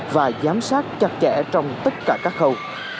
và giám sát chặt chẽ trong tất cả các khâu